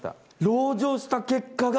籠城した結果が。